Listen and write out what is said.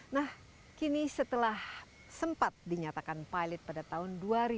nah kini setelah sempat dinyatakan pilot pada tahun dua ribu dua